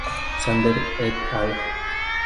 Sander "et al.